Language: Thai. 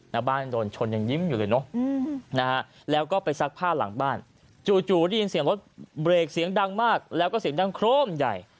หน้าบ้านโดนชนยังยิ้มอยู่เลยเนอะนะฮะแล้วก็ไปซักผ้าหลังบ้านจู่ได้ยินเสียงรถเบรกเสียงดังมากแล้วก็เสียงดังโครมใหญ่